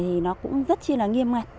thì nó cũng rất chi là nghiêm ngặt